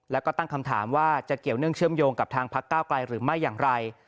แล้วก็ตั้งคำถามว่าจะเกี่ยวเนื่องเชื่อมโยงกับทางพักเก้าไกลหรือไม่อย่างไร